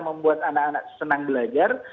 membuat anak anak senang belajar